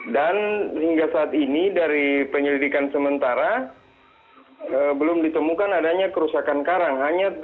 dan hingga saat ini dari penyelidikan sementara belum ditemukan adanya kerusakan karang